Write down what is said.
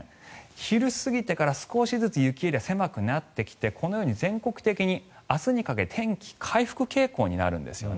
昼を過ぎてから少しずつ雪エリアは狭くなってきてこのように全国的に明日にかけ天気、回復傾向になるんですね。